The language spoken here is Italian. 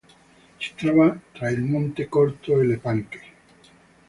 Si trova tra il Monte Corto e Le Panche.